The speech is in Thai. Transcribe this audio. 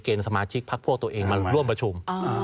สมาชิกพักพวกตัวเองมาร่วมประชุม